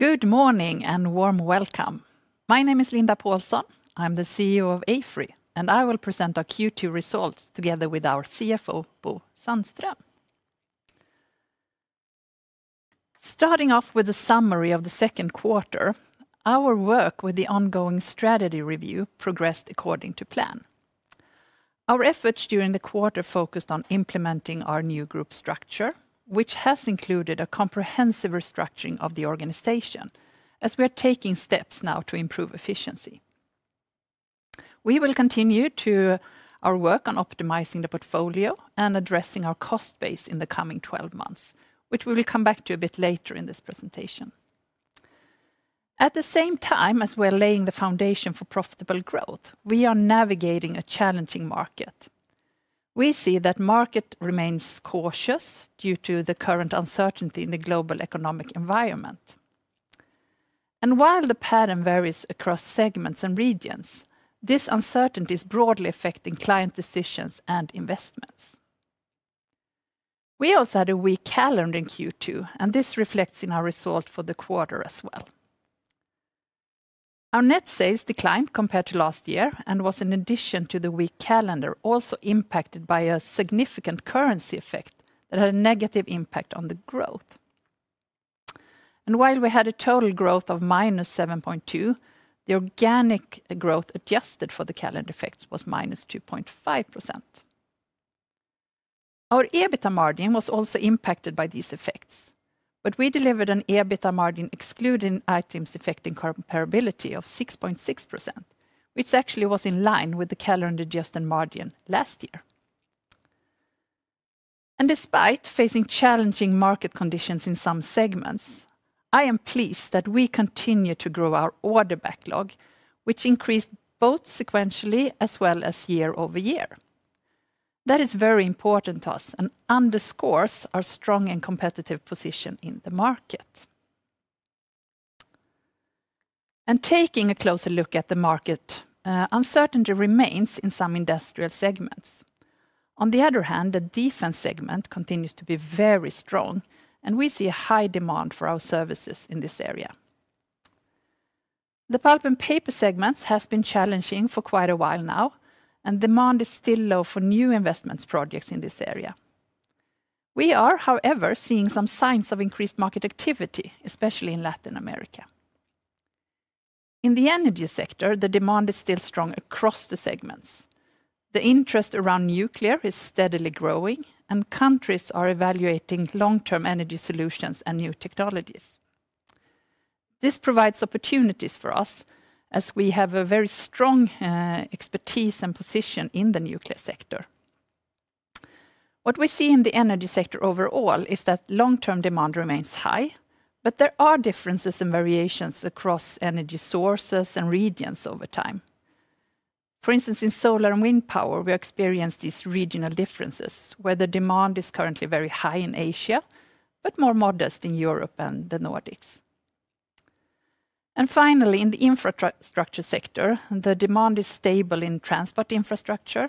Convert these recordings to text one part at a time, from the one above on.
Good morning and warm welcome. My name is Linda Pålsson. I am the CEO of AFRY, and I will present our Q2 results together with our CFO, Bo Sandström. Starting off with a summary of the second quarter, our work with the ongoing strategy review progressed according to plan. Our efforts during the quarter focused on implementing our new group structure, which has included a comprehensive restructuring of the organization, as we are taking steps now to improve efficiency. We will continue our work on optimizing the portfolio and addressing our cost base in the coming 12 months, which we will come back to a bit later in this presentation. At the same time as we are laying the foundation for profitable growth, we are navigating a challenging market. We see that the market remains cautious due to the current uncertainty in the global economic environment. While the pattern varies across segments and regions, this uncertainty is broadly affecting client decisions and investments. We also had a weak calendar in Q2, and this reflects in our results for the quarter as well. Our net sales declined compared to last year and was, in addition to the weak calendar, also impacted by a significant currency effect that had a negative impact on the growth. While we had a total growth of -7.2%, the organic growth adjusted for the calendar effects was -2.5%. Our EBITDA margin was also impacted by these effects, but we delivered an EBITDA margin excluding items affecting comparability of 6.6%, which actually was in line with the calendar-adjusted margin last year. Despite facing challenging market conditions in some segments, I am pleased that we continue to grow our order backlog, which increased both sequentially as well as year-over-year. That is very important to us and underscores our strong and competitive position in the market. Taking a closer look at the market, uncertainty remains in some industrial segments. On the other hand, the Defense segment continues to be very strong, and we see a high demand for our services in this area. The Pulp and Paper segments have been challenging for quite a while now, and demand is still low for new investment projects in this area. We are, however, seeing some signs of increased market activity, especially in Latin America. In the energy sector, the demand is still strong across the segments. The interest around nuclear is steadily growing, and countries are evaluating long-term energy solutions and new technologies. This provides opportunities for us, as we have a very strong expertise and position in the nuclear sector. What we see in the energy sector overall is that long-term demand remains high, but there are differences and variations across energy sources and regions over time. For instance, in solar and wind power, we experience these regional differences, where the demand is currently very high in Asia, but more modest in Europe and the Nordics. In the infrastructure sector, the demand is stable in transport infrastructure,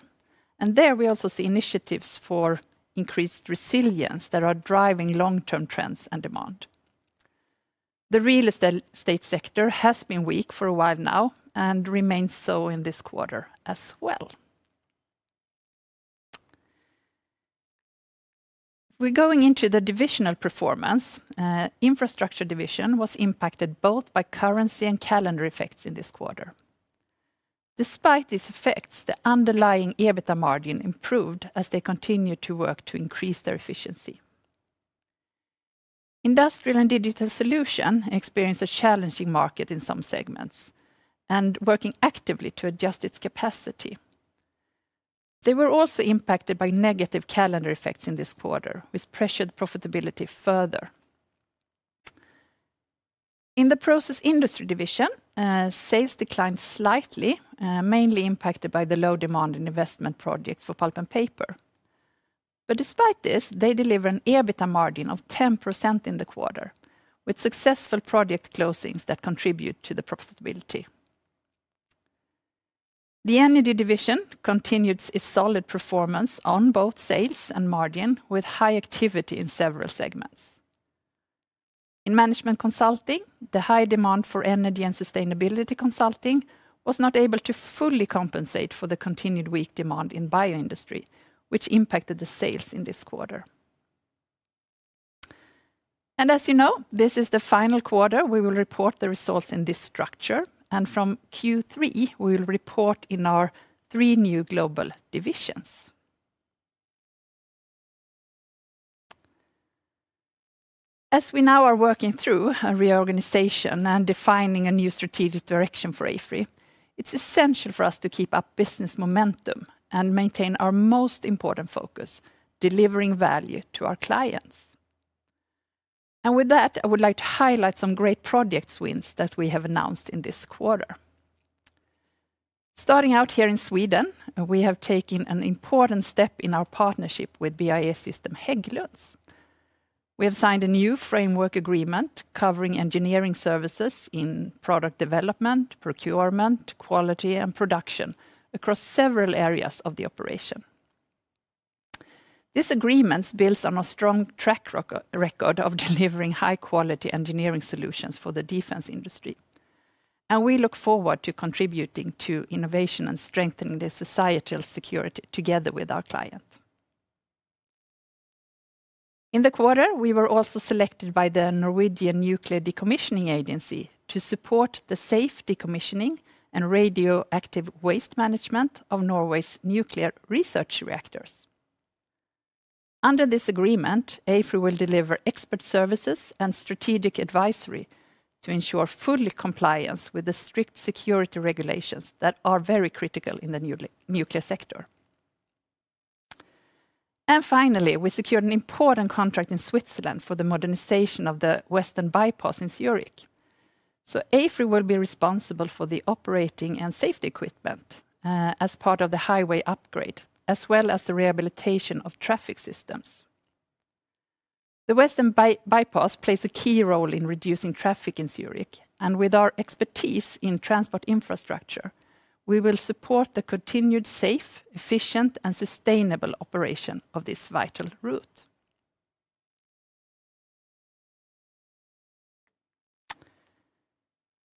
and there we also see initiatives for increased resilience that are driving long-term trends and demand. The real estate sector has been weak for a while now and remains so in this quarter as well. We're going into the divisional performance. The Infrastructure division was impacted both by currency and calendar effects in this quarter. Despite these effects, the underlying EBITDA margin improved as they continue to work to increase their efficiency. Industrial and digital solutions experience a challenging market in some segments and are working actively to adjust its capacity. They were also impacted by negative calendar effects in this quarter, which pressured profitability further. In the Process Industries division, sales declined slightly, mainly impacted by the low demand in investment projects for pulp and paper. Despite this, they delivered an EBITDA margin of 10% in the quarter, with successful project closings that contribute to the profitability. The Energy division continued its solid performance on both sales and margin, with high activity in several segments. In management consulting, the high demand for energy and sustainability consulting was not able to fully compensate for the continued weak demand in the bio industry, which impacted the sales in this quarter. As you know, this is the final quarter. We will report the results in this structure, and from Q3, we will report in our three new global divisions. As we now are working through a reorganization and defining a new strategic direction for AFRY, it's essential for us to keep up business momentum and maintain our most important focus: delivering value to our clients. With that, I would like to highlight some great project wins that we have announced in this quarter. Starting out here in Sweden, we have taken an important step in our partnership with BAE Systems Hägglunds. We have signed a new framework agreement covering engineering services in product development, procurement, quality, and production across several areas of the operation. This agreement builds on our strong track record of delivering high-quality engineering solutions for the defense industry, and we look forward to contributing to innovation and strengthening the societal security together with our clients. In the quarter, we were also selected by the Norwegian Nuclear Decommissioning Agency to support the safe decommissioning and radioactive waste management of Norway's nuclear research reactors. Under this agreement, AFRY will deliver expert services and strategic advisory to ensure full compliance with the strict security regulations that are very critical in the nuclear sector. Finally, we secured an important contract in Switzerland for the modernization of the Western Bypass in Zurich. AFRY will be responsible for the operating and safety equipment as part of the highway upgrade, as well as the rehabilitation of traffic systems. The Western Bypass plays a key role in reducing traffic in Zurich, and with our expertise in transport infrastructure, we will support the continued safe, efficient, and sustainable operation of this vital route.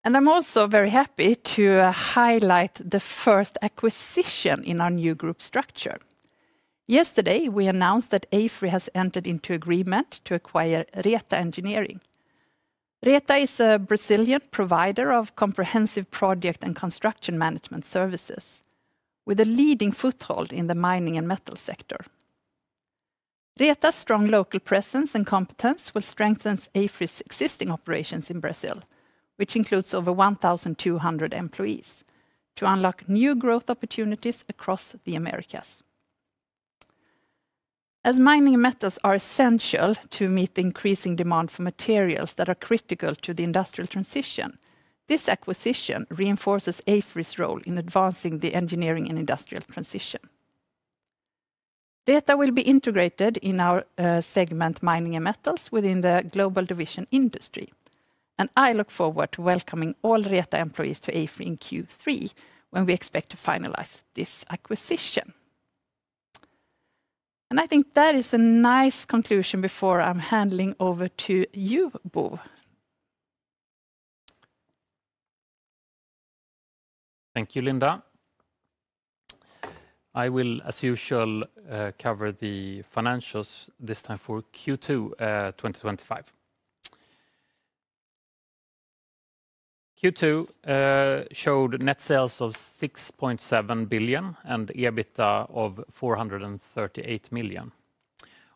I'm also very happy to highlight the first acquisition in our new group structure. Yesterday, we announced that AFRY has entered into an agreement to acquire Reta Engineering. Reta is a Brazilian provider of comprehensive project and construction management services, with a leading foothold in the mining and metals sector. Reta's strong local presence and competence will strengthen AFRY's existing operations in Brazil, which includes over 1,200 employees, to unlock new growth opportunities across the Americas. As mining and metals are essential to meet the increasing demand for materials that are critical to the industrial transition, this acquisition reinforces AFRY's role in advancing the engineering and industrial transition. Reta will be integrated in our segment, Mining and Metals, within the Global Division industry, and I look forward to welcoming all Reta employees to AFRY in Q3 when we expect to finalize this acquisition. I think that is a nice conclusion before I'm handing over to you, Bo. Thank you, Linda. I will, as usual, cover the financials this time for Q2 2025. Q2 showed net sales of 6.7 billion and EBITDA of 438 million.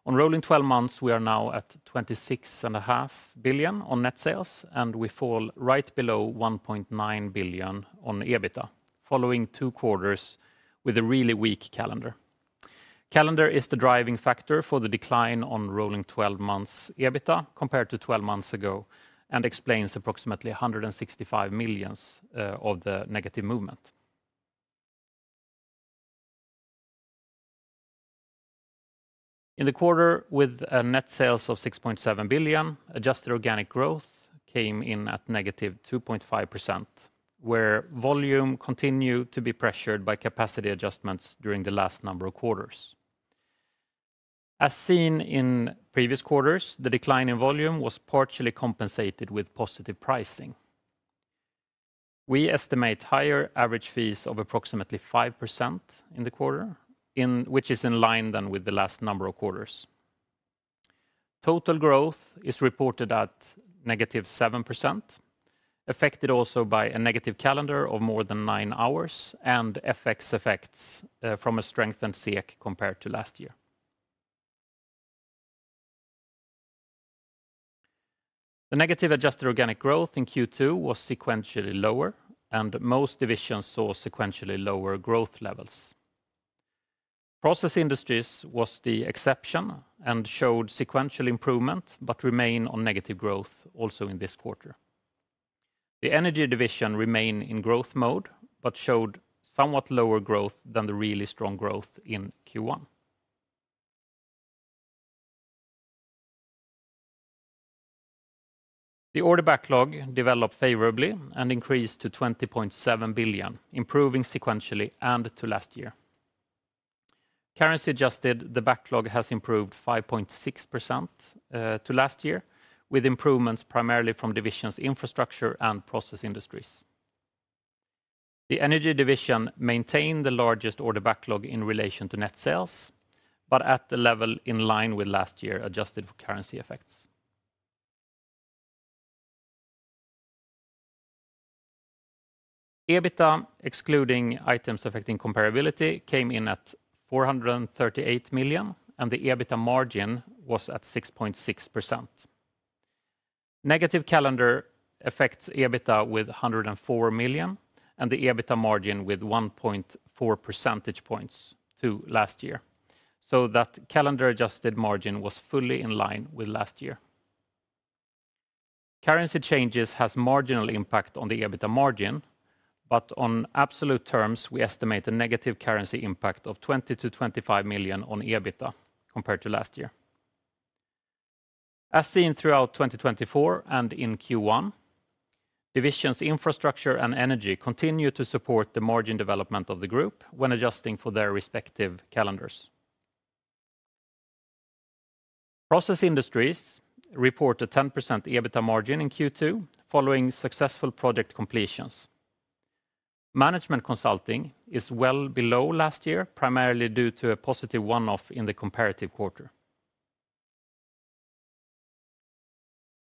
On rolling 12 months, we are now at 26.5 billion on net sales, and we fall right below 1.9 billion on EBITDA, following two quarters with a really weak calendar. Calendar is the driving factor for the decline on rolling 12 months EBITDA compared to 12 months ago and explains approximately 165 million of the negative movement. In the quarter with net sales of 6.7 billion, adjusted organic growth came in at -2.5%, where volume continued to be pressured by capacity adjustments during the last number of quarters. As seen in previous quarters, the decline in volume was partially compensated with positive pricing. We estimate higher average fees of approximately 5% in the quarter, which is in line then with the last number of quarters. Total growth is reported at -7%, affected also by a negative calendar of more than nine hours and FX effects from a strengthened SEK compared to last year. The negative adjusted organic growth in Q2 was sequentially lower, and most divisions saw sequentially lower growth levels. Process Industries was the exception and showed sequential improvement but remained on negative growth also in this quarter. The Energy division remained in growth mode but showed somewhat lower growth than the really strong growth in Q1. The order backlog developed favorably and increased to 20.7 billion, improving sequentially and to last year. Currency adjusted, the backlog has improved 5.6% to last year, with improvements primarily from divisions' Infrastructure and Process Industries. The Energy division maintained the largest order backlog in relation to net sales, but at the level in line with last year adjusted for currency effects. EBITDA excluding items affecting comparability came in at 438 million, and the EBITDA margin was at 6.6%. Negative calendar affects EBITDA with 104 million, and the EBITDA margin with 1.4 percentage points to last year, so that calendar adjusted margin was fully in line with last year. Currency changes have a marginal impact on the EBITDA margin, but on absolute terms, we estimate a negative currency impact of 20 million-25 million on EBITDA compared to last year. As seen throughout 2024 and in Q1, divisions Infrastructure and Energy continue to support the margin development of the group when adjusting for their respective calendars. Process Industries report a 10% EBITDA margin in Q2 following successful project completions. Management Consulting is well below last year, primarily due to a positive one-off in the comparative quarter.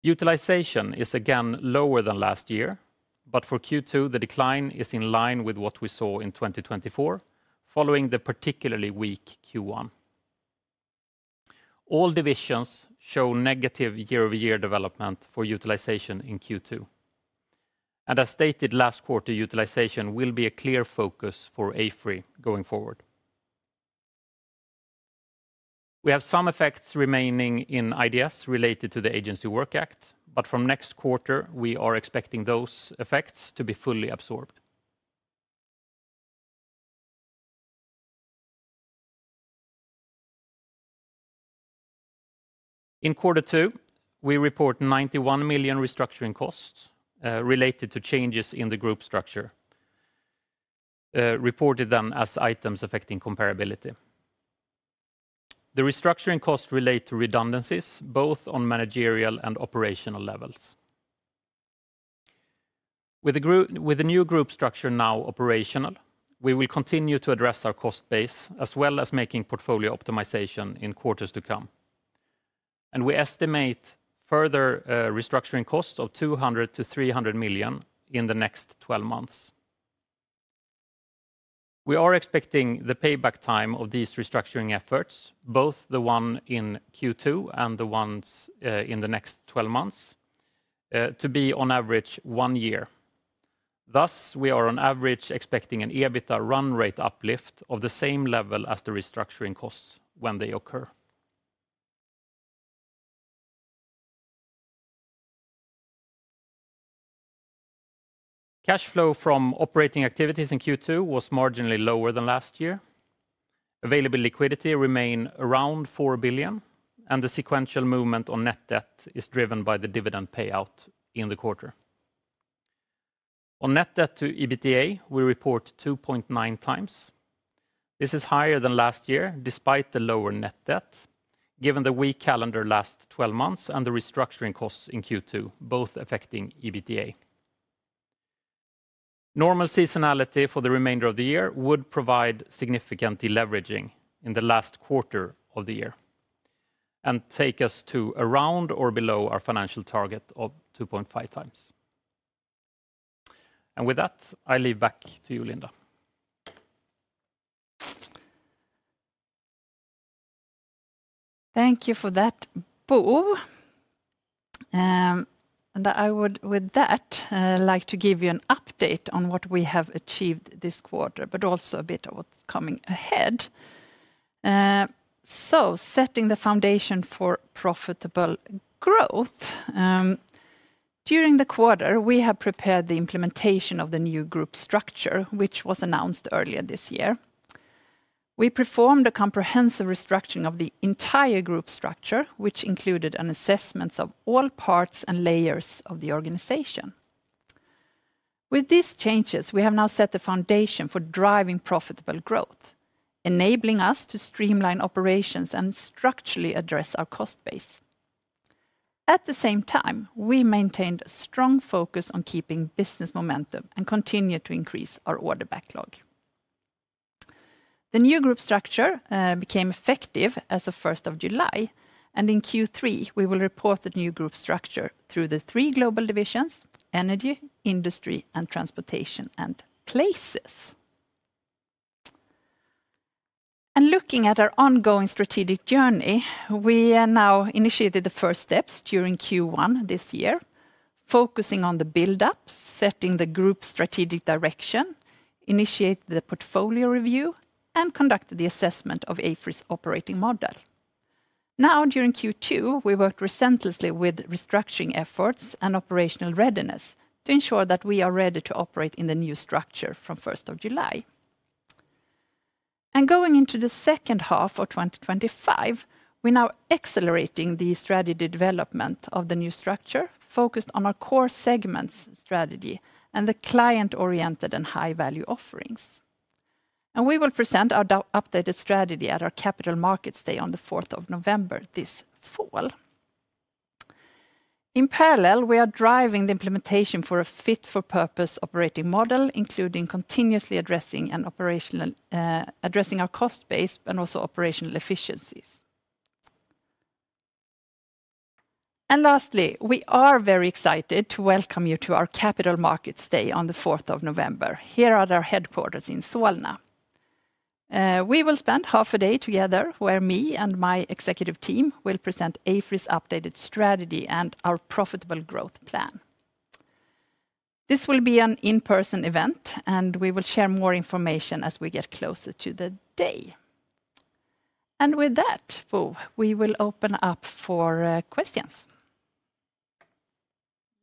Utilization is again lower than last year, but for Q2, the decline is in line with what we saw in 2024 following the particularly weak Q1. All divisions show negative year-over-year development for utilization in Q2. As stated last quarter, utilization will be a clear focus for AFRY going forward. We have some effects remaining in IDS related to the Agency Work Act, but from next quarter, we are expecting those effects to be fully absorbed. In Q2, we report 91 million restructuring costs related to changes in the group structure, reported then as items affecting comparability. The restructuring costs relate to redundancies, both on managerial and operational levels. With the new group structure now operational, we will continue to address our cost base as well as making portfolio optimization in quarters to come. We estimate further restructuring costs of 200-300 million in the next 12 months. We are expecting the payback time of these restructuring efforts, both the one in Q2 and the ones in the next 12 months, to be on average one year. Thus, we are on average expecting an EBITDA run rate uplift of the same level as the restructuring costs when they occur. Cash flow from operating activities in Q2 was marginally lower than last year. Available liquidity remained around 4 billion, and the sequential movement on net debt is driven by the dividend payout in the quarter. On net debt to EBITDA, we report 2.9x. This is higher than last year, despite the lower net debt, given the weak calendar last 12 months and the restructuring costs in Q2, both affecting EBITDA. Normal seasonality for the remainder of the year would provide significant deleveraging in the last quarter of the year and take us to around or below our financial target of 2.5x. With that, I leave back to you, Linda. Thank you for that, Bo. With that, I would like to give you an update on what we have achieved this quarter, but also a bit of what's coming ahead. Setting the foundation for profitable growth, during the quarter, we have prepared the implementation of the new group structure, which was announced earlier this year. We performed a comprehensive restructuring of the entire group structure, which included an assessment of all parts and layers of the organization. With these changes, we have now set the foundation for driving profitable growth, enabling us to streamline operations and structurally address our cost base. At the same time, we maintained a strong focus on keeping business momentum and continued to increase our order backlog. The new group structure became effective as of 1st of July, and in Q3, we will report the new group structure through the three global divisions: Energy, Industry, Transportation, and Places. Looking at our ongoing strategic journey, we initiated the first steps during Q1 this year, focusing on the build-up, setting the group's strategic direction, initiating the portfolio review, and conducting the assessment of AFRY's operating model. During Q2, we worked relentlessly with restructuring efforts and operational readiness to ensure that we are ready to operate in the new structure from 1st of July. Going into the second half of 2025, we are now accelerating the strategy development of the new structure, focused on our core segments strategy and the client-oriented and high-value offerings. We will present our updated strategy at our Capital Markets Day on the 4th of November this fall. In parallel, we are driving the implementation for a fit-for-purpose operating model, including continuously addressing our cost base and also operational efficiencies. Lastly, we are very excited to welcome you to our Capital Markets Day on 4th of November here at our headquarters in Solna. We will spend half a day together, where me and my executive team will present AFRY's updated strategy and our profitable growth plan. This will be an in-person event, and we will share more information as we get closer to the day. With that, Bo, we will open up for questions.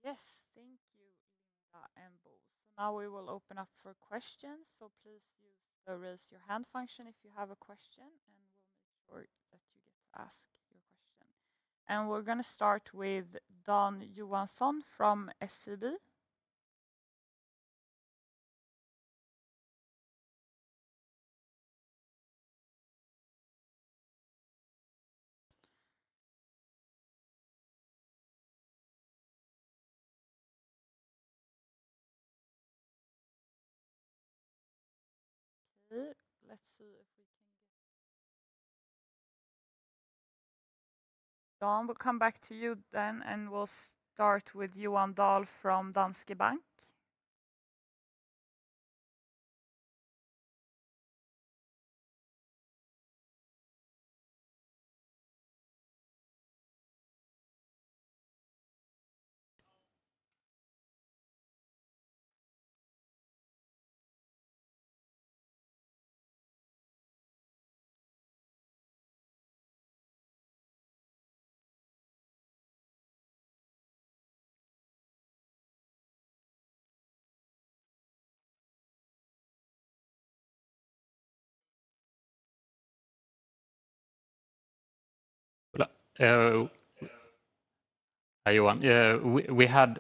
Yes, thank you, Linda and Bo. Now we will open up for questions. Please use the raise your hand function if you have a question, and we'll make sure that you get to ask your question. We're going to start with Dan Johansson from SEB. Okay, let's see if we can get... Dan, we'll come back to you, and we'll start with Johan Dahl from Danske Bank. Hi, Johan.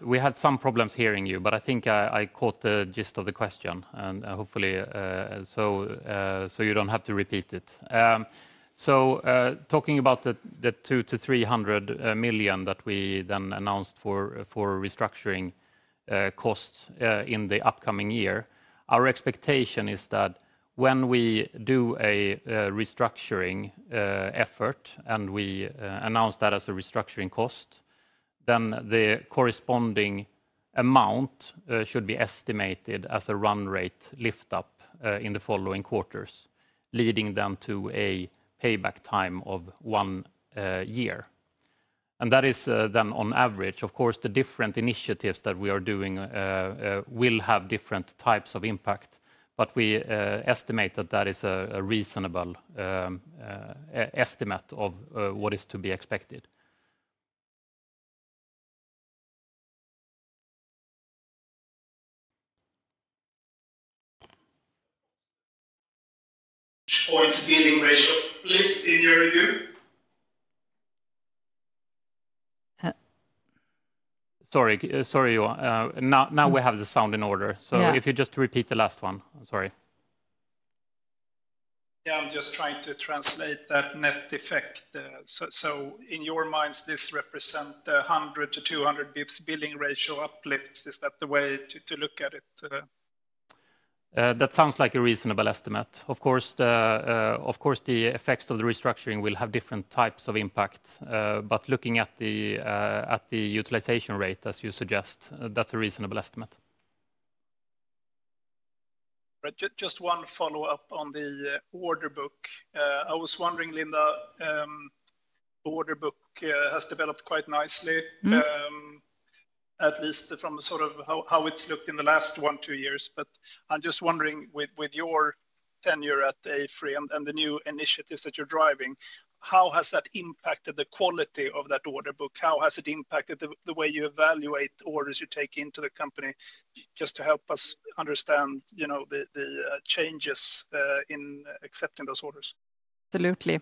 We had some problems hearing you, but I think I caught the gist of the question, and hopefully you don't have to repeat it. Talking about the 200 million-300 million that we then announced for restructuring costs in the upcoming year, our expectation is that when we do a restructuring effort and we announce that as a restructuring cost, the corresponding amount should be estimated as a run rate lift-up in the following quarters, leading to a payback time of one year. That is on average. Of course, the different initiatives that we are doing will have different types of impact, but we estimate that is a reasonable estimate of what is to be expected. Which points billing ratio uplifts in your review? Sorry, Johan. Now we have the sound in order. If you just repeat the last one, I'm sorry. I'm just trying to translate that net effect. In your minds, this represents 100-200 bps billing ratio uplifts. Is that the way to look at it? That sounds like a reasonable estimate. Of course, the effects of the restructuring will have different types of impact, but looking at the utilization rate, as you suggest, that's a reasonable estimate. Just one follow-up on the order book. I was wondering, Linda, the order book has developed quite nicely, at least from sort of how it's looked in the last one, two years. I'm just wondering, with your tenure at AFRY and the new initiatives that you're driving, how has that impacted the quality of that order book? How has it impacted the way you evaluate orders you take into the company? Just to help us understand the changes in accepting those orders. Absolutely.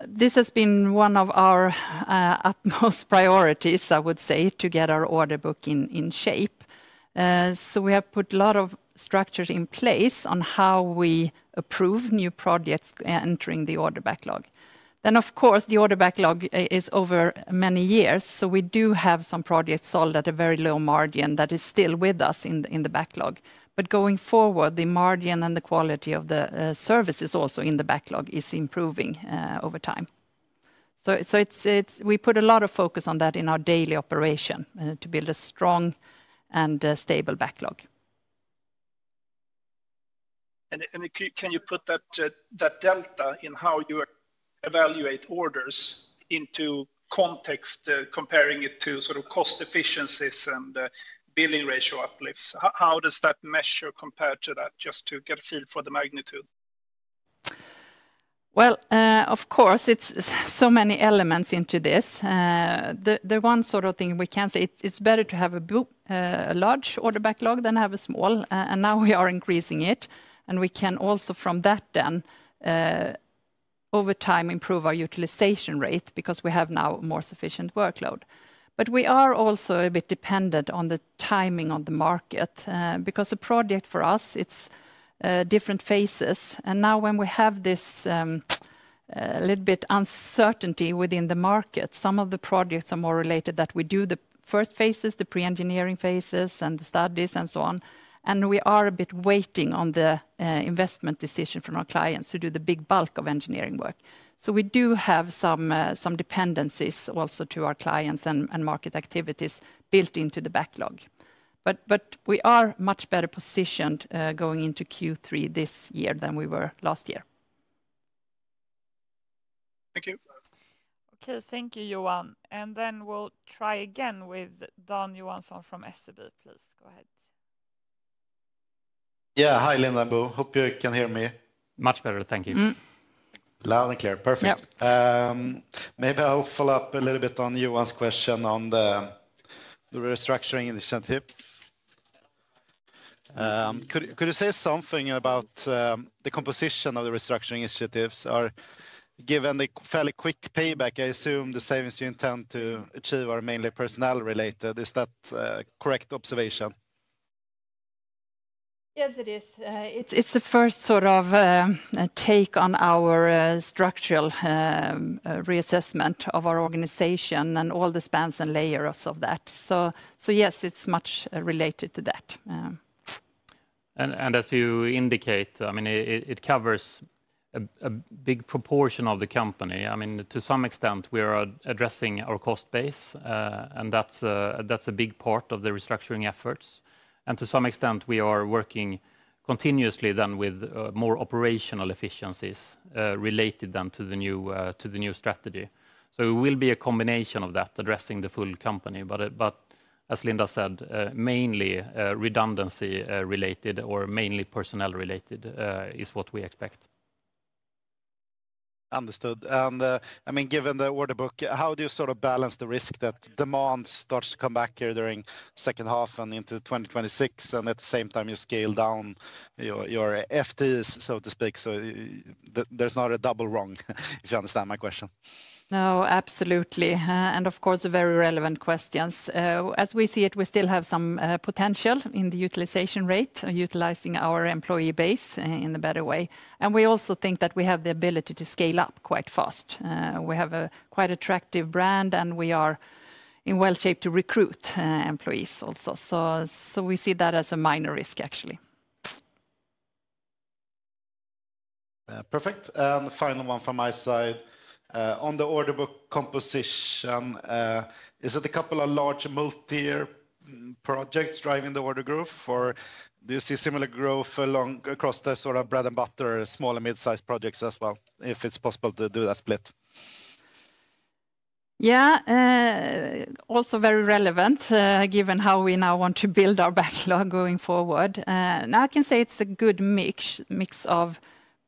This has been one of our utmost priorities, I would say, to get our order book in shape. We have put a lot of structures in place on how we approve new projects entering the order backlog. Of course, the order backlog is over many years, so we do have some projects sold at a very low margin that is still with us in the backlog. Going forward, the margin and the quality of the services also in the backlog is improving over time. We put a lot of focus on that in our daily operation to build a strong and stable backlog. Can you put that delta in how you evaluate orders into context, comparing it to sort of cost efficiencies and billing ratio uplifts? How does that measure compared to that, just to get a feel for the magnitude? Of course, it's so many elements into this. The one sort of thing we can say, it's better to have a large order backlog than have a small. Now we are increasing it, and we can also from that then, over time, improve our utilization rate because we have now a more sufficient workload. We are also a bit dependent on the timing of the market because a project for us, it's different phases. Now when we have this a little bit uncertainty within the market, some of the projects are more related that we do the first phases, the pre-engineering phases and the studies and so on. We are a bit waiting on the investment decision from our clients to do the big bulk of engineering work. We do have some dependencies also to our clients and market activities built into the backlog. We are much better positioned going into Q3 this year than we were last year. Thank you. Thank you, Johan. We'll try again with Dan Johansson from SEB, please go ahead. Hi Linda, Bo. Hope you can hear me. Much better, thank you. Loud and clear, perfect. Maybe I'll follow up a little bit on Johan's question on the restructuring initiative. Could you say something about the composition of the restructuring initiatives? Given the fairly quick payback, I assume the savings you intend to achieve are mainly personnel related. Is that a correct observation? Yes, it is. It's the first sort of take on our structural reassessment of our organization and all the spans and layers of that. Yes, it's much related to that. As you indicate, it covers a big proportion of the company. To some extent, we are addressing our cost base, and that's a big part of the restructuring efforts. To some extent, we are working continuously with more operational efficiencies related to the new strategy. It will be a combination of that, addressing the full company. As Linda said, mainly redundancy related or mainly personnel related is what we expect. Understood. Given the order book, how do you sort of balance the risk that demand starts to come back here during the second half and into 2026, and at the same time you scale down your FTs, so to speak? There's not a double wrong, if you understand my question. No, absolutely. Of course, very relevant questions. As we see it, we still have some potential in the utilization rate, utilizing our employee base in a better way. We also think that we have the ability to scale up quite fast. We have a quite attractive brand, and we are in well shape to recruit employees also. We see that as a minor risk, actually. Perfect. The final one from my side, on the order book composition, is it a couple of large multi-year projects driving the order growth, or do you see similar growth across the sort of bread and butter, small and mid-sized projects as well, if it's possible to do that split? Yeah, also very relevant, given how we now want to build our backlog going forward. Now I can say it's a good mix of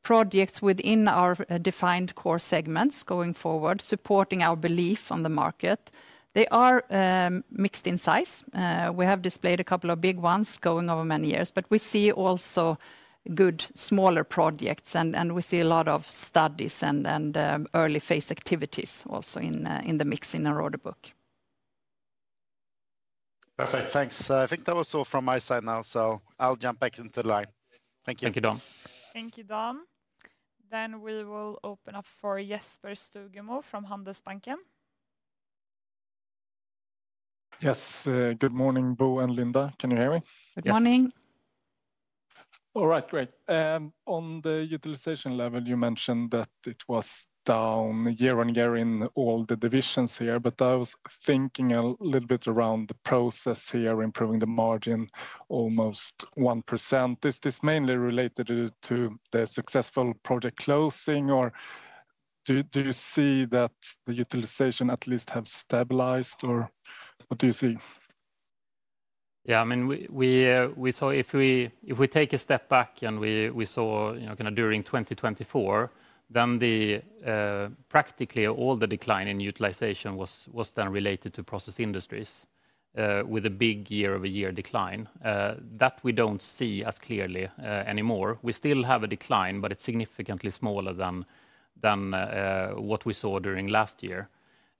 projects within our defined core segments going forward, supporting our belief on the market. They are mixed in size. We have displayed a couple of big ones going over many years, but we see also good smaller projects, and we see a lot of studies and early phase activities also in the mix in an order book. Perfect, thanks. I think that was all from my side now, so I'll jump back into the line. Thank you. Thank you, Dan. Thank you, Dan. We will open up for Jesper Stugemo from Handelsbanken. Yes, good morning, Bo and Linda. Can you hear me? Morning. All right, great. On the utilization level, you mentioned that it was down year on year in all the divisions here, but I was thinking a little bit around the process here, improving the margin almost 1%. Is this mainly related to the successful project closing, or do you see that the utilization at least has stabilized, or what do you see? Yeah, I mean, we saw if we take a step back and we saw kind of during 2024, then practically all the decline in utilization was then related to process industries, with a big year-over-year decline. That we don't see as clearly anymore. We still have a decline, but it's significantly smaller than what we saw during last year,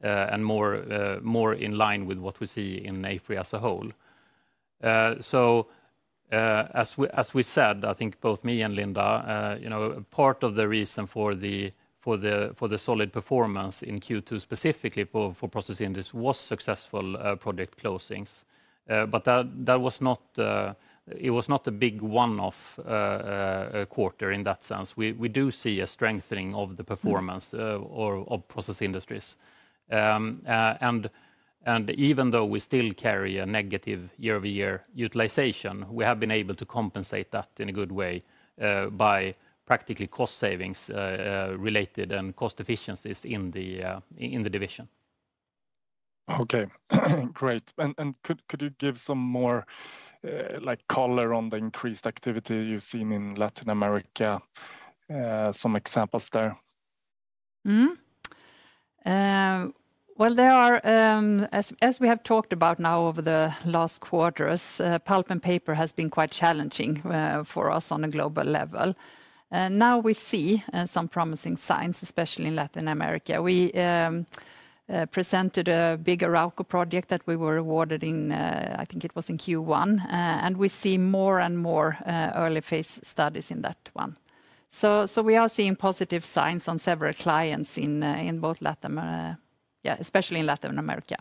and more in line with what we see in AFRY as a whole. As we said, I think both me and Linda, you know, part of the reason for the solid performance in Q2 specifically for process industries was successful project closings. That was not a big one-off quarter in that sense. We do see a strengthening of the performance of process industries. Even though we still carry a negative year-over-year utilization, we have been able to compensate that in a good way by practically cost savings related and cost efficiencies in the division. Okay, great. Could you give some more color on the increased activity you've seen in Latin America, some examples there? As we have talked about now over the last quarters, Pulp and Paper has been quite challenging for us on a global level. Now we see some promising signs, especially in Latin America. We presented a big Arauco project that we were awarded in, I think it was in Q1, and we see more and more early phase studies in that one. We are seeing positive signs on several clients in both Latin, yeah, especially in Latin America.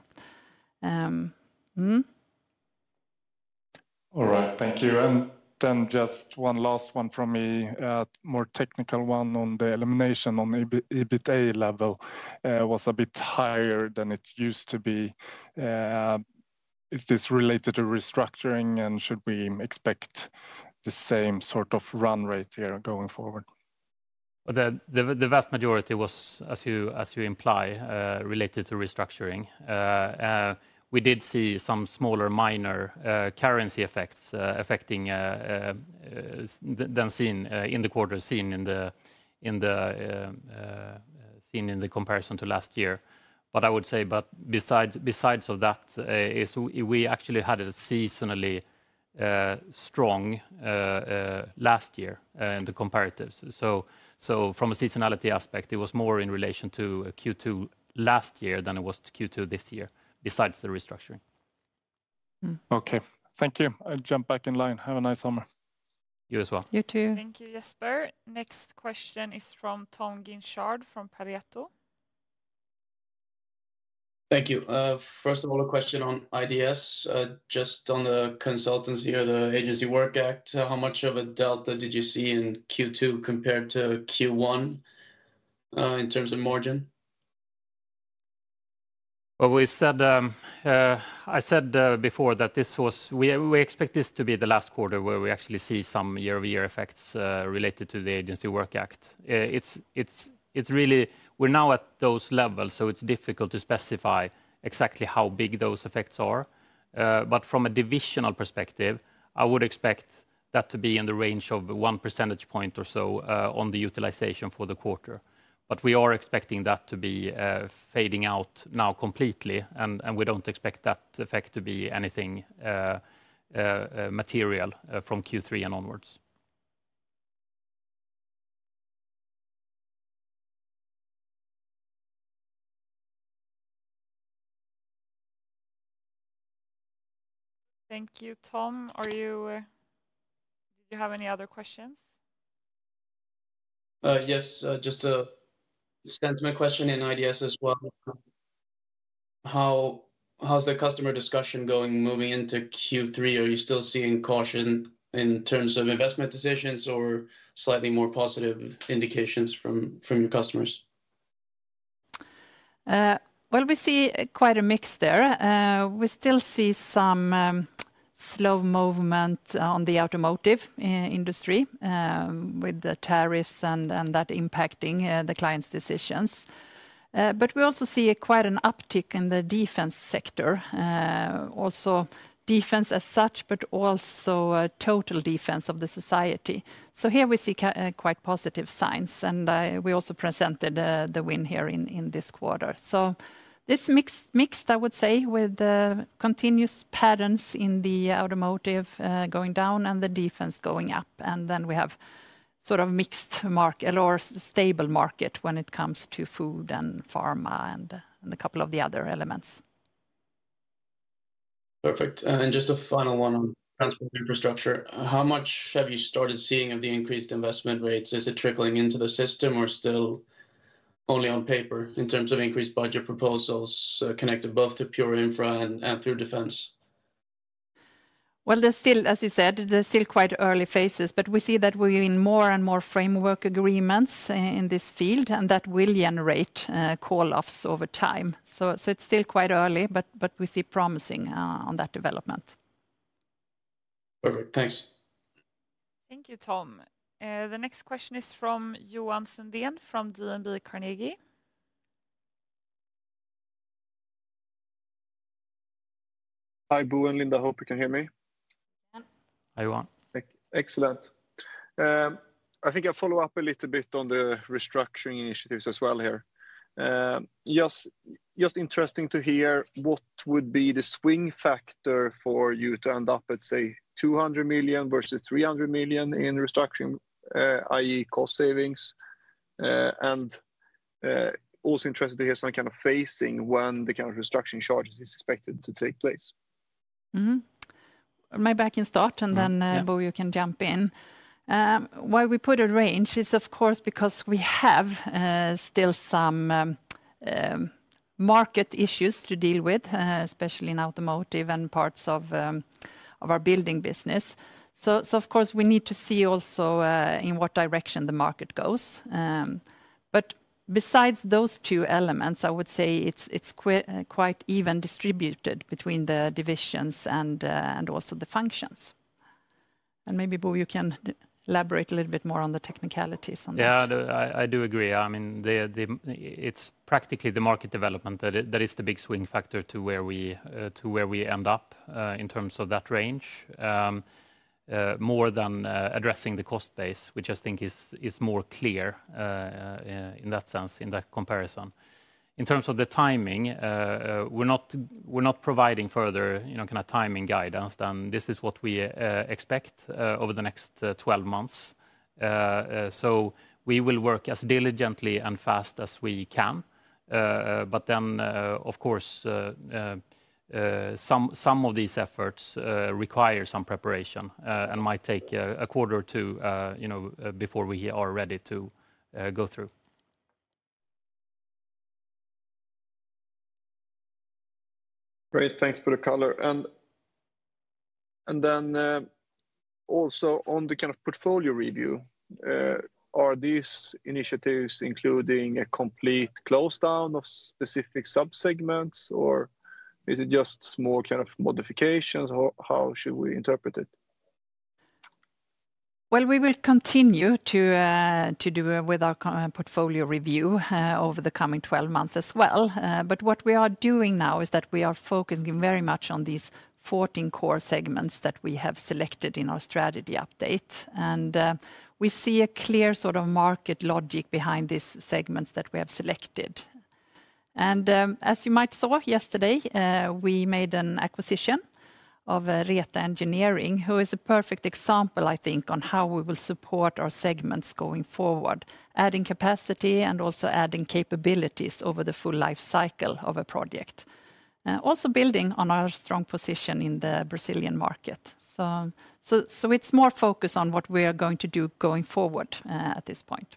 All right, thank you. Just one last one from me, a more technical one on the elimination on EBITDA level was a bit higher than it used to be. Is this related to restructuring and should we expect the same sort of run rate here going forward? The vast majority was, as you imply, related to restructuring. We did see some smaller minor currency effects affecting then seen in the quarter seen in the comparison to last year. I would say, besides that, we actually had a seasonally strong last year in the comparatives. From a seasonality aspect, it was more in relation to Q2 last year than it was Q2 this year, besides the restructuring. Okay, thank you. I'll jump back in line. Have a nice summer. You as well. You too. Thank you, Jesper. Next question is from Tom Guinchard from Pareto. Thank you. First of all, a question on IDS. Just on the consultants here, the Agency Work Act, how much of a delta did you see in Q2 compared to Q1 in terms of margin? I said before that this was, we expect this to be the last quarter where we actually see some year-over-year effects related to the Agency Work Act. It's really, we're now at those levels, so it's difficult to specify exactly how big those effects are. From a divisional perspective, I would expect that to be in the range of 1% or so on the utilization for the quarter. We are expecting that to be fading out now completely, and we don't expect that effect to be anything material from Q3 and onwards. Thank you, Tom. Did you have any other questions? Yes, just a sentiment question in IDS as well. How's the customer discussion going moving into Q3? Are you still seeing caution in terms of investment decisions or slightly more positive indications from your customers? We see quite a mix there. We still see some slow movement on the automotive industry with the tariffs and that impacting the client's decisions. We also see quite an uptick in the defense sector, also defense as such, but also total defense of the society. Here we see quite positive signs, and we also presented the win here in this quarter. This is mixed, I would say, with continuous patterns in the automotive going down and the defense going up. We have sort of a mixed market or stable market when it comes to food and pharma and a couple of the other elements. Perfect. Just a final one on transport infrastructure. How much have you started seeing of the increased investment rates? Is it trickling into the system or still only on paper in terms of increased budget proposals connected both to pure infra and pure defense? There is still, as you said, quite early phases, but we see that we're in more and more framework agreements in this field, and that will generate call-offs over time. It is still quite early, but we see promising on that development. Perfect, thanks. Thank you, Tom. The next question is from Johan Sundén from DNB Carnegie. Hi, Bo and Linda, hope you can hear me. Hi, Johan. Excellent. I think I'll follow up a little bit on the restructuring initiatives as well here. Just interesting to hear what would be the swing factor for you to end up at, say, 200 million versus 300 million in restructuring, i.e., cost savings. I'm also interested to hear some kind of phasing when the kind of restructuring charges are expected to take place. Maybe I can start, and then Bo, you can jump in. Why we put a range is, of course, because we have still some market issues to deal with, especially in automotive and parts of our building business. We need to see also in what direction the market goes. Besides those two elements, I would say it's quite even distributed between the divisions and also the functions. Maybe, Bo, you can elaborate a little bit more on the technicalities on that. Yeah, I do agree. I mean, it's practically the market development that is the big swing factor to where we end up in terms of that range, more than addressing the cost base, which I think is more clear in that sense, in that comparison. In terms of the timing, we're not providing further kind of timing guidance, and this is what we expect over the next 12 months. We will work as diligently and fast as we can. Of course, some of these efforts require some preparation and might take a quarter or two before we are ready to go through. Great, thanks for the color. Also, on the kind of portfolio review, are these initiatives including a complete close down of specific subsegments, or is it just small kind of modifications? How should we interpret it? We will continue to do it with our portfolio review over the coming 12 months as well. What we are doing now is that we are focusing very much on these 14 core segments that we have selected in our strategy update. We see a clear sort of market logic behind these segments that we have selected. As you might have saw yesterday, we made an acquisition of Reta Engineering, who is a perfect example, I think, on how we will support our segments going forward, adding capacity and also adding capabilities over the full life cycle of a project. Also building on our strong position in the Brazilian market. It is more focused on what we are going to do going forward at this point.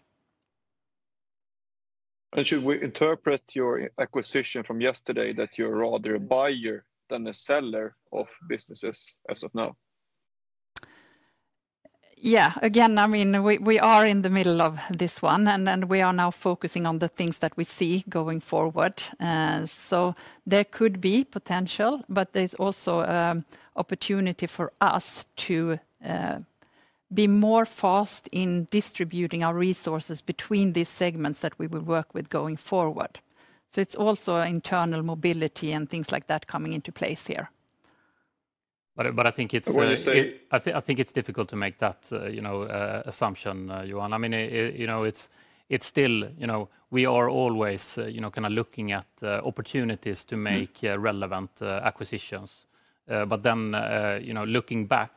Should we interpret your acquisition from yesterday that you're rather a buyer than a seller of businesses as of now? Yeah, again, we are in the middle of this one, and we are now focusing on the things that we see going forward. There could be potential, but there's also an opportunity for us to be more fast in distributing our resources between these segments that we will work with going forward. It's also internal mobility and things like that coming into place here. I think it's difficult to make that assumption, Johan. I mean, it's still, you know, we are always kind of looking at opportunities to make relevant acquisitions. Then, looking back,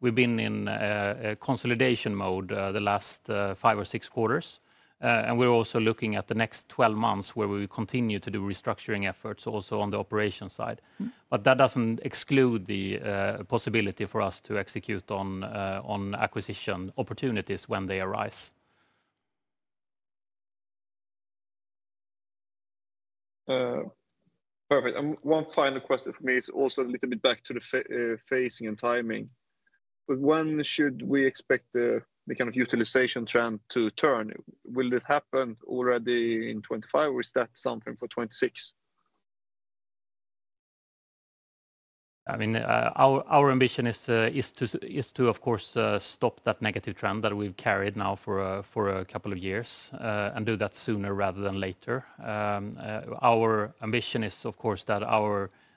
we've been in consolidation mode the last five or six quarters, and we're also looking at the next 12 months where we continue to do restructuring efforts also on the operation side. That doesn't exclude the possibility for us to execute on acquisition opportunities when they arise. Perfect. One final question for me is also a little bit back to the phasing and timing. When should we expect the kind of utilization trend to turn? Will it happen already in 2025, or is that something for 2026? Our ambition is to, of course, stop that negative trend that we've carried now for a couple of years and do that sooner rather than later. Our ambition is, of course, that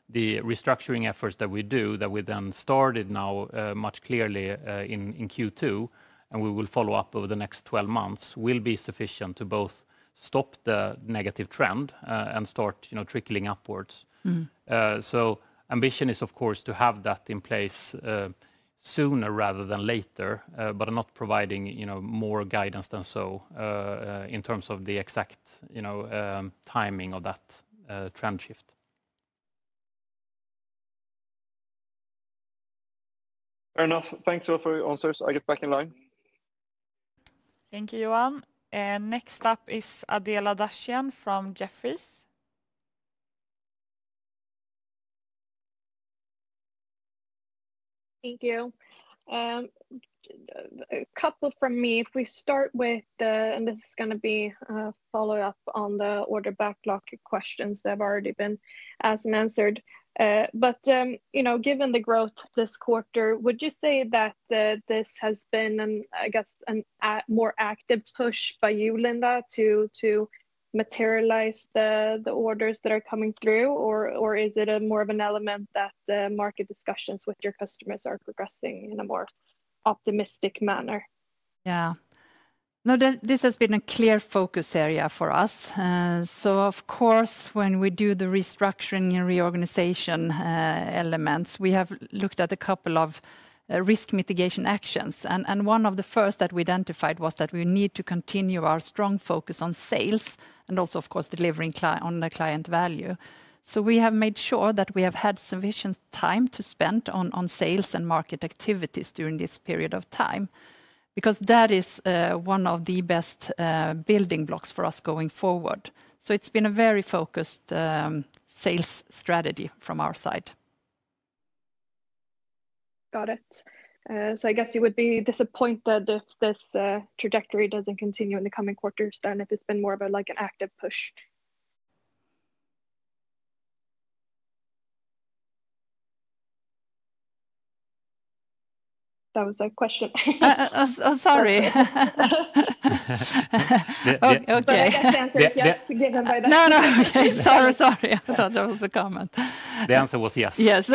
the restructuring efforts that we do, that we then started now much clearly in Q2, and we will follow up over the next 12 months, will be sufficient to both stop the negative trend and start trickling upwards. Ambition is, of course, to have that in place sooner rather than later, but not providing more guidance than so in terms of the exact timing of that trend shift. Fair enough. Thanks all for your answers. I'll get back in line. Thank you, Johan. Next up is Adela Dashian from Jefferies. Thank you. A couple from me. If we start with, and this is going to be a follow-up on the order backlog questions that have already been asked and answered, given the growth this quarter, would you say that this has been a, I guess, a more active push by you, Linda, to materialize the orders that are coming through, or is it more of an element that the market discussions with your customers are progressing in a more optimistic manner? This has been a clear focus area for us. Of course, when we do the restructuring and reorganization elements, we have looked at a couple of risk mitigation actions. One of the first that we identified was that we need to continue our strong focus on sales and also, of course, delivering on the client value. We have made sure that we have had sufficient time to spend on sales and market activities during this period of time, because that is one of the best building blocks for us going forward. It's been a very focused sales strategy from our side. Got it. I guess you would be disappointed if this trajectory doesn't continue in the coming quarters then, if it's been more of an active push. That was a question. Oh, sorry. Okay. The answer is yes, given by the. Sorry, I thought that was a comment. The answer was yes. Yes.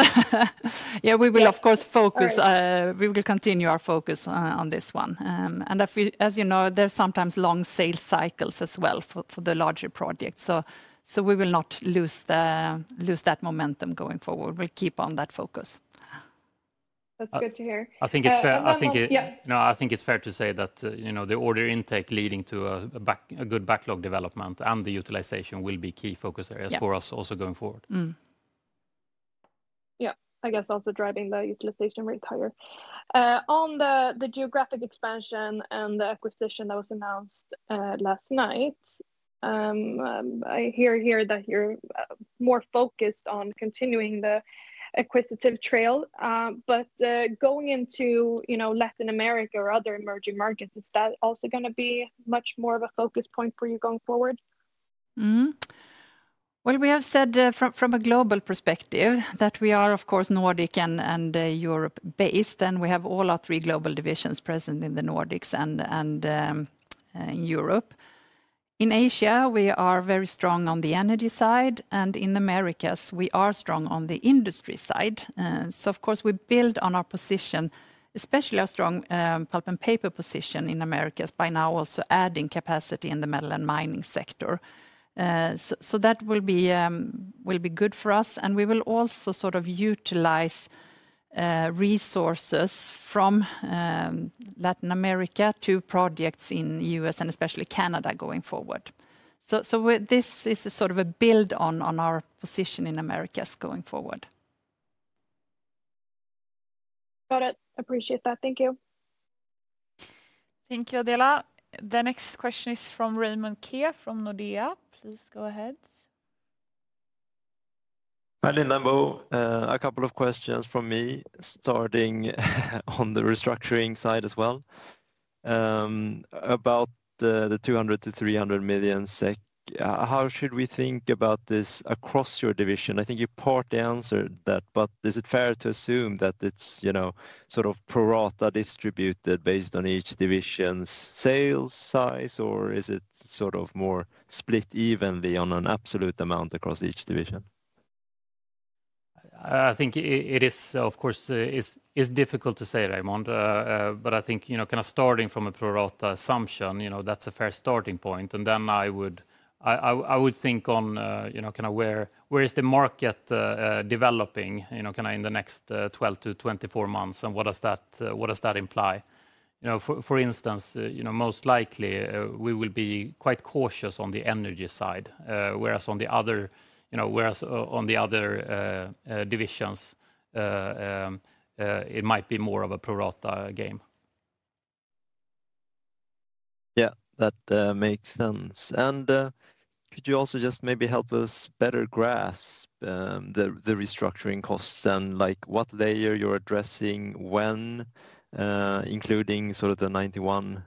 We will, of course, focus. We will continue our focus on this one. As you know, there's sometimes long sales cycles as well for the larger projects. We will not lose that momentum going forward. We'll keep on that focus. That's good to hear. I think it's fair to say that the order intake leading to a good backlog development, and the utilization will be key focus areas for us also going forward. Yeah, I guess also driving the utilization rates higher. On the geographic expansion and the acquisition that was announced last night, I hear here that you're more focused on continuing the acquisitive trail. Going into Latin America or other emerging markets, is that also going to be much more of a focus point for you going forward? From a global perspective, we are, of course, Nordic and Europe-based, and we have all our three global divisions present in the Nordics and in Europe. In Asia, we are very strong on the Energy side, and in the Americas, we are strong on the Industry side. Of course, we build on our position, especially our strong Pulp and Paper position in the Americas, by now also adding capacity in the Metal and Mining sector. That will be good for us, and we will also sort of utilize resources from Latin America to projects in the U.S. and especially Canada going forward. This is a sort of a build on our position in the Americas going forward. Got it. Appreciate that. Thank you. Thank you, Adela. The next question is from Raymond Ke from Nordea. Please go ahead. Linda and Bo, a couple of questions from me starting on the restructuring side as well. About the 200 million-300 million SEK, how should we think about this across your division? I think you partly answered that, but is it fair to assume that it's sort of pro rata distributed based on each division's sales size, or is it sort of more split evenly on an absolute amount across each division? I think it is, of course, it's difficult to say, Raymond, but I think kind of starting from a pro rata assumption, that's a fair starting point. I would think on where is the market developing in the next 12 to 24 months, and what does that imply? For instance, most likely we will be quite cautious on the energy side, whereas on the other divisions, it might be more of a pro rata game. That makes sense. Could you also just maybe help us better grasp the restructuring costs and what layer you're addressing when, including the 91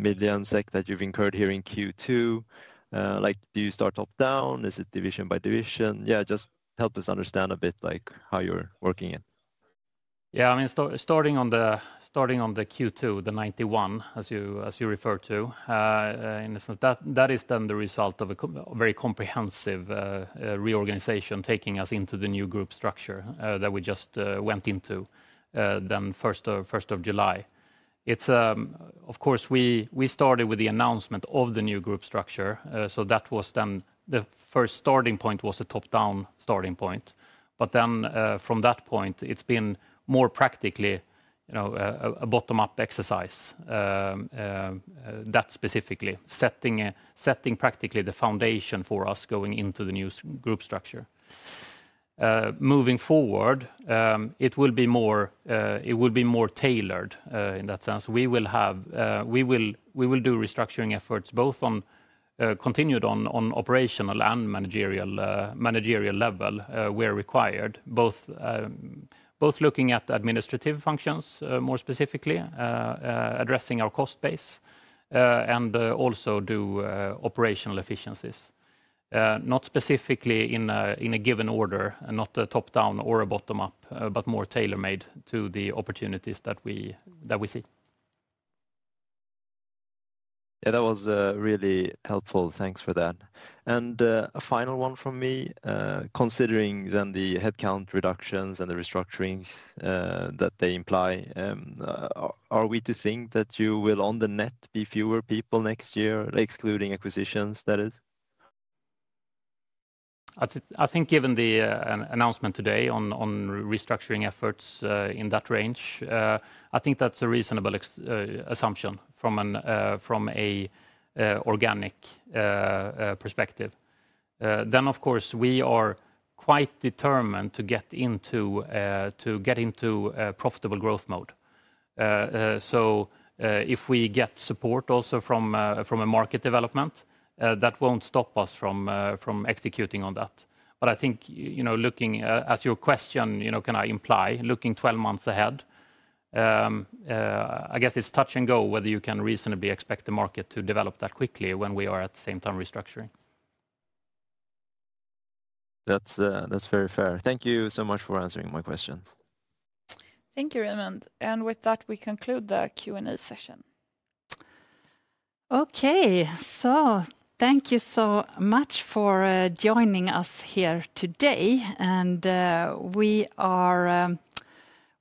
million SEK that you've incurred here in Q2? Do you start top down? Is it division by division? Just help us understand a bit how you're working it. Yeah, I mean, starting on the Q2, the 91 million, as you refer to, in a sense, that is then the result of a very comprehensive reorganization taking us into the new group structure that we just went into then 1st of July. Of course, we started with the announcement of the new group structure. That was then the first starting point, a top-down starting point. From that point, it's been more practically, you know, a bottom-up exercise, that specifically, setting practically the foundation for us going into the new group structure. Moving forward, it will be more tailored in that sense. We will do restructuring efforts both continued on operational and managerial level where required, both looking at administrative functions more specifically, addressing our cost base, and also do operational efficiencies, not specifically in a given order, not a top-down or a bottom-up, but more tailor-made to the opportunities that we see. Yeah, that was really helpful. Thanks for that. A final one from me, considering then the headcount reductions and the restructurings that they imply, are we to think that you will on the net be fewer people next year, excluding acquisitions, that is? I think given the announcement today on restructuring efforts in that range, I think that's a reasonable assumption from an organic perspective. Of course, we are quite determined to get into profitable growth mode. If we get support also from a market development, that won't stop us from executing on that. I think, looking at your question, can I imply looking 12 months ahead, I guess it's touch and go whether you can reasonably expect the market to develop that quickly when we are at the same time restructuring. That's very fair. Thank you so much for answering my questions. Thank you, Raymond. With that, we conclude the Q&A session. Thank you so much for joining us here today. We are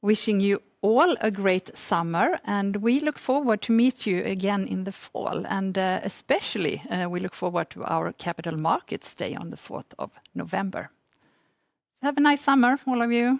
wishing you all a great summer, and we look forward to meeting you again in the fall. We especially look forward to our Capital Markets Day on the 4th of November. Have a nice summer, all of you.